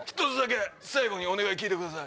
最後にお願い聞いてください。